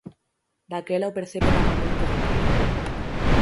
Daquela o percebe daba moito diñeiro.